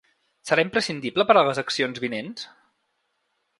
Serà imprescindible per a les accions vinents?